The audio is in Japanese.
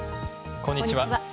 こんにちは。